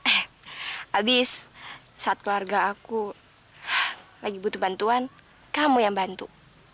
eh abis saat keluarga aku lagi butuh bantuan kamu yang bantu